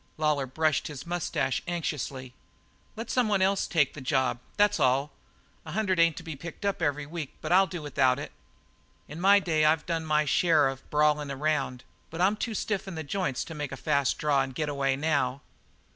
Lawlor brushed his moustache anxiously. "Let someone else take the job that's all. A hundred ain't to be picked up every week, but I'll do without it. In my day I've done my share of brawlin' around, but I'm too stiff in the joints to make a fast draw and getaway now.